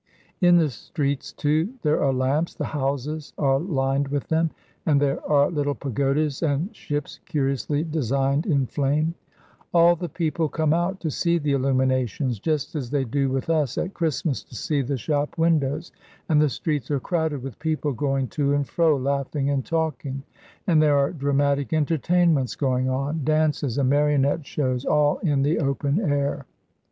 In the streets, too, there are lamps the houses are lined with them and there are little pagodas and ships curiously designed in flame. All the people come out to see the illuminations, just as they do with us at Christmas to see the shop windows, and the streets are crowded with people going to and fro, laughing and talking. And there are dramatic entertainments going on, dances and marionette shows, all in the open air.